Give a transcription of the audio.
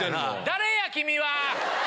誰や⁉君は。